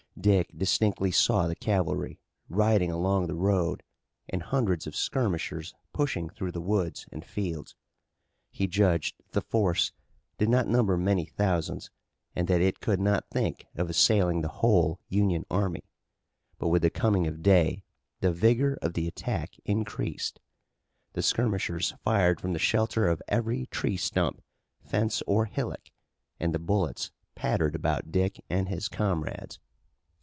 Dick distinctly saw the cavalry, riding along the road, and hundreds of skirmishers pushing through the woods and fields. He judged that the force did not number many thousands and that it could not think of assailing the whole Union army. But with the coming of day the vigor of the attack increased. The skirmishers fired from the shelter of every tree stump, fence or hillock and the bullets pattered about Dick and his comrades.